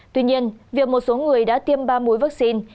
tuy nhiên việc một số người đã tiêm ba mũi vaccine